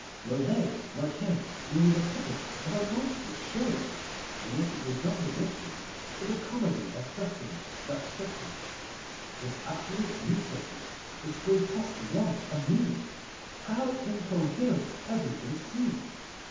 Were they, like him, merely the puppets of a monstrous show? And yet it was not the mystery, but the comedy of suffering that struck him; its absolute uselessness, its grotesque want of meaning. How incoherent everything seemed!